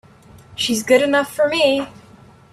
She's good enough for me!